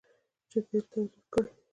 چې تیل تولید کړي.